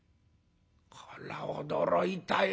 こら驚いたよ。